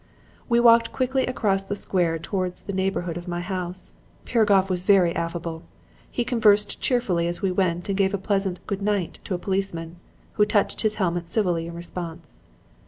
"We walked quickly across the square towards the neighborhood of my house. Piragoff was very affable. He conversed cheerfully as we went and gave a pleasant 'Good night' to a policeman, who touched his helmet civilly in response.